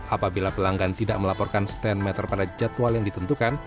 apabila pelanggan tidak melaporkan stand meter pada jadwal yang ditentukan